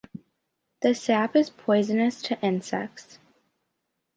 The sap is poisonous to insects.